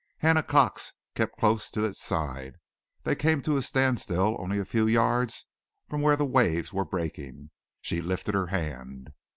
Hannah Cox kept close to its side. They came to a standstill only a few yards from where the waves were breaking. She lifted her hand.